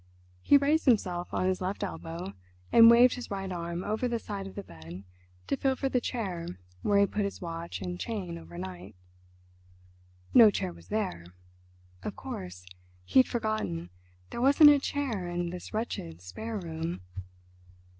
He raised himself on his left elbow and waved his right arm over the side of the bed to feel for the chair where he put his watch and chain overnight. No chair was there—of course, he'd forgotten, there wasn't a chair in this wretched spare room.